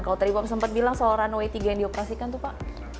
kalau tadi bapak sempat bilang soal runway tiga yang dioperasikan tuh pak